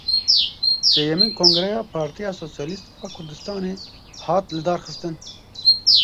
Sêyemîn kongreya Partiya Sosyalîst a Kurdistanê hat lidarxistin.